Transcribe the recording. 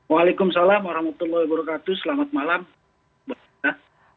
waalaikumsalam assalamualaikum wr wb selamat malam